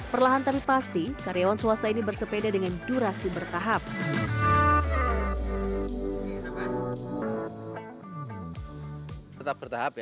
perlahan tapi pasti karyawan swasta ini bersepeda dengan durasi bertahap ya